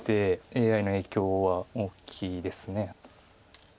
ＡＩの影響は大きいです。